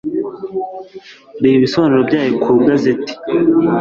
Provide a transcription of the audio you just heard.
reba ibisobanuro byayo ku gazeti